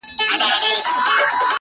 نن مي بيا يادېږي ورځ تېرېږي-